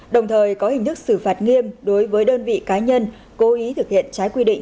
đồng thời có hình thức xử phạt nghiêm đối với đơn vị cá nhân cố ý thực hiện trái quy định